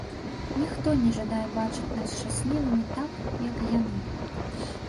Ніхто не жадае бачыць нас шчаслівымі так, як яны.